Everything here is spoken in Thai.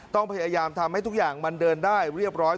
ต้องพยายามทำให้ทุกอย่างมันเดินได้เรียบร้อย